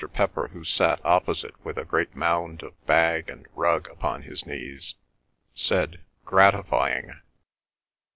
Pepper, who sat opposite with a great mound of bag and rug upon his knees, said, "Gratifying."